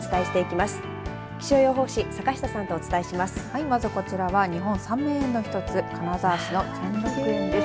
まずこちらは日本三名園の１つ金沢市の兼六園です。